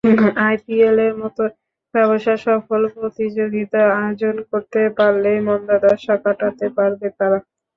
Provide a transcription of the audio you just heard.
আইপিএলের মতো ব্যবসা সফল প্রতিযোগিতা আয়োজন করতে পারলেই মন্দাদশা কাটাতে পারবে তারা।